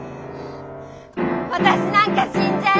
私なんか死んじゃえ！